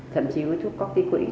thậm chí với thuốc cóc tí quỵ